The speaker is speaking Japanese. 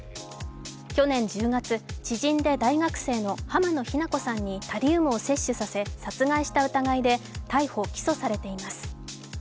去年１０月知人で大学生の濱野日菜子さんにタリウムを摂取させ殺害した疑いで逮捕・起訴されています。